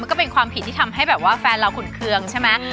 ก็เป็นความผิดที่ทำให้แบบว่าแฟนเราขุนเคืองใช่ไหม